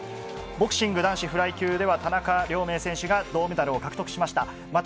ボクシング男子フライ級では田中亮明選手が銅メダルを獲得しました。